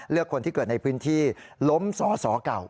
เลือกคนที่เกิดในพื้นที่ล้มสสเก่า